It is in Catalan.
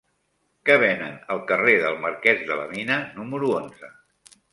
Què venen al carrer del Marquès de la Mina número onze?